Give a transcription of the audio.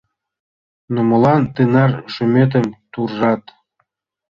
— Ну, молан тынар шӱметым туржат?